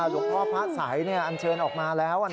หลวงพ่อพระสัยเนี่ยอันเชิญออกมาแล้วอ่ะนะ